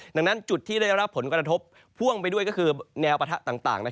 ดังนั้นจุดที่ได้รับผลกระทบพ่วงไปด้วยก็คือแนวปะทะต่าง